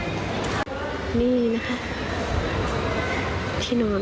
กี่รอบกี่รอบก็หมด